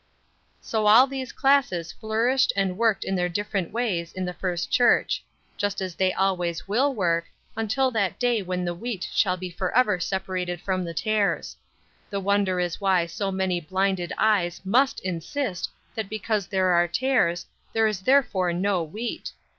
So all these classes flourished and worked in their different ways in the First Church; just as they always will work, until that day when the wheat shall be forever separated from the tares. The wonder is why so many blinded eyes must insist that because there are tares, there is therefore no wheat.